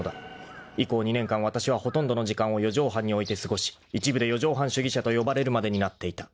［以降２年間わたしはほとんどの時間を四畳半において過ごし一部で四畳半主義者と呼ばれるまでになっていた］